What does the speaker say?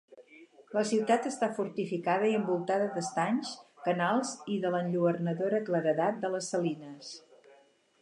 La ciutat està fortificada i envoltada d'estanys, canals i de l'enlluernadora claredat de les salines.